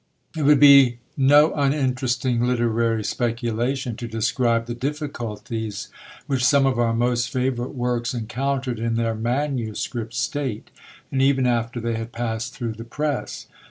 It would be no uninteresting literary speculation to describe the difficulties which some of our most favourite works encountered in their manuscript state, and even after they had passed through the press.